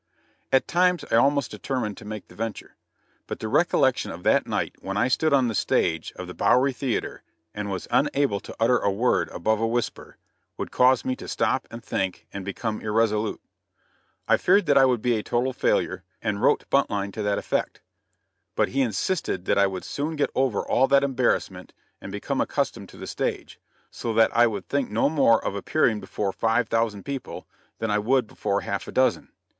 At times I almost determined to make the venture; but the recollection of that night when I stood on the stage of the Bowery Theatre and was unable to utter a word above a whisper, would cause me to stop and think and become irresolute. I feared that I would be a total failure, and wrote Buntline to that effect. But he insisted that I would soon get over all that embarrassment, and become accustomed to the stage, so that I would think no more of appearing before five thousand people than I would before half a dozen.